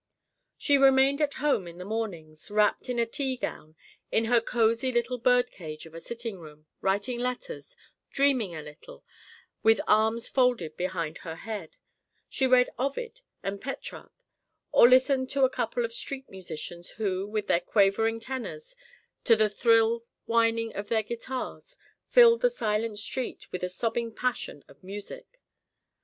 She remained at home in the mornings, wrapped in a tea gown, in her cosy little bird cage of a sitting room, writing letters, dreaming a little, with her arms folded behind her head; she read Ovid and Petrarch, or listened to a couple of street musicians, who, with their quavering tenors, to the shrill whining of their guitars, filled the silent street with a sobbing passion of music.